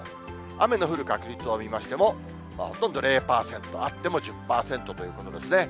雨の降る確率を見ましても、ほとんど０％、あっても１０％ということですね。